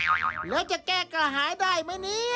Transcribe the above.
แล้วจะแก้กระหายได้ไหมเนี่ย